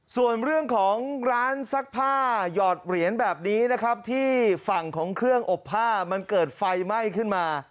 ส่วนเรื่องของร้านซักผ้าหยอดเหรียญแบบนี้นะครับที่ฝั่งของเครื่องอบผ้ามันเกิดไฟไหม้ขึ้นมา